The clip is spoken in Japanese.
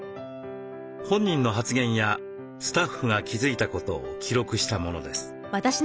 本人の発言やスタッフが気付いたことを記録したものです。